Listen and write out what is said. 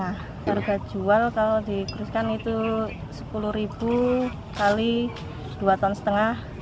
harga jual kalau dikuriskan itu sepuluh x dua lima ton